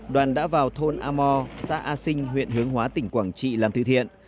đoàn đã vào thôn amor xã a sinh huyện hướng hóa tỉnh quảng trị làm thư thiện